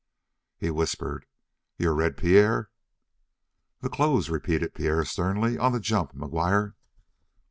He whispered: "You're Red Pierre?" "The clothes," repeated Pierre sternly, "on the jump, McGuire."